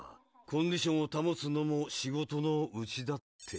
コンディションを保つのも仕事のうちだって。